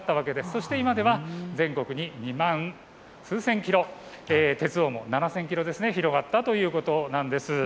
そして今では全国に２万数千キロ、２万７０００キロですね、広がったというわけなんです。